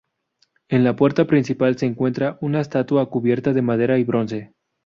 En la puerta principal se encuentra una estatua cubierta de madera y bronce.